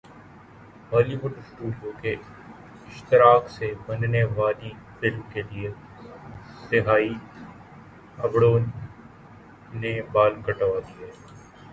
Holi would studio کے اشتراک سے بننے والی فلم کیلئے سہائی ابڑو نے بال کٹوادیے